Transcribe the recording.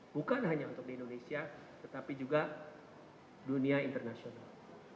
bukan hanya untuk di indonesia tetapi juga dunia internasional